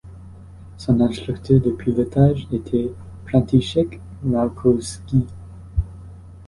Son instructeur de pilotage était František Malkovský.